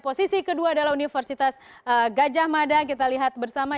posisi kedua adalah universitas gajah mada kita lihat bersama